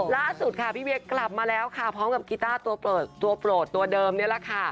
ล่าสุดค่ะพี่เวียกลับมาแล้วค่ะพร้อมกับกีต้าตัวโปรดตัวเดิมนี่แหละค่ะ